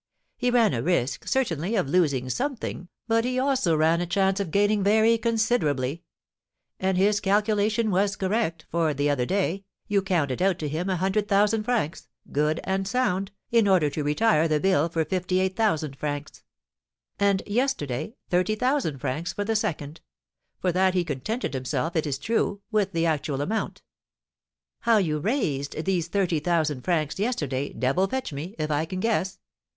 He ran a risk, certainly, of losing something, but he also ran a chance of gaining very considerably; and his calculation was correct, for, the other day, you counted out to him a hundred thousand francs, good and sound, in order to retire the bill for fifty eight thousand francs; and, yesterday, thirty thousand francs for the second; for that he contented himself, it is true, with the actual amount. How you raised these thirty thousand francs yesterday, devil fetch me, if I can guess!